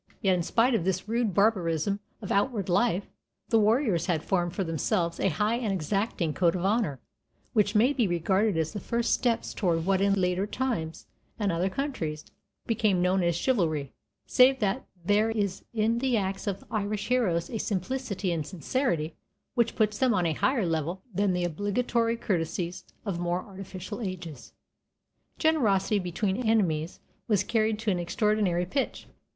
Yet in spite of this rude barbarism of outward life, the warriors had formed for themselves a high and exacting code of honor, which may be regarded as the first steps toward what in later times and other countries became known as "chivalry"; save that there is in the acts of the Irish heroes a simplicity and sincerity which puts them on a higher level than the obligatory courtesies of more artificial ages. Generosity between enemies was carried to an extraordinary pitch.